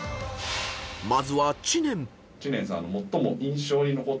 ［まずは知念］